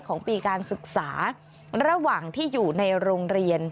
ของปีการศึกษาระหว่างที่อยู่ในโรงเรียน